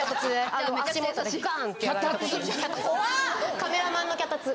カメラマンの脚立。